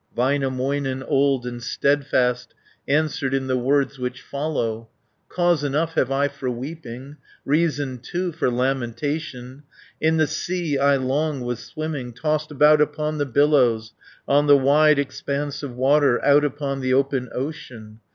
Väinämöinen, old and steadfast, Answered in the words which follow: "Cause enough have I for weeping, Reason, too, for lamentation, In the sea I long was swimming, Tossed about upon the billows, 250 On the wide expanse of water, Out upon the open ocean.